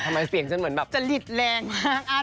ทำไมเสียงฉันเหมือนแบบจะหลิดแรงมาก